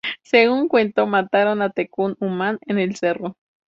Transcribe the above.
Según un cuento, mataron a Tecún Umán en el cerro.